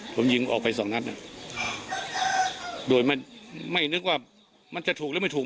ผมยิงออกไปสองนัดโดยไม่นึกว่ามันจะถูกหรือไม่ถูก